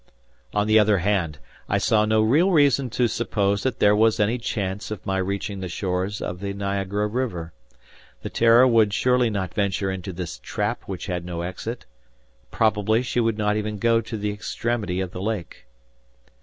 On the other hand, I saw no real reason to suppose that there was any chance of my reaching the shores of the Niagara River. The "Terror" would surely not venture into this trap which had no exit. Probably she would not even go to the extremity of the lake.